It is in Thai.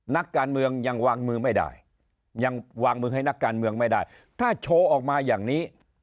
นักการเมืองยังวางมือไม่ได้ยังวางมือให้นักการเมืองไม่ได้ถ้าโชว์ออกมาอย่างนี้